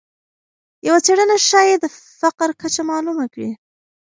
یوه څېړنه ښایي د فقر کچه معلومه کړي.